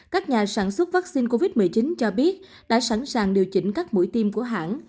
các nhà sản xuất vaccine covid một mươi chín cho biết đã sẵn sàng điều chỉnh các mũi tiêm của hãng